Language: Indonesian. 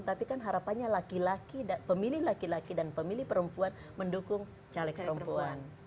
tapi kan harapannya laki laki pemilih laki laki dan pemilih perempuan mendukung caleg perempuan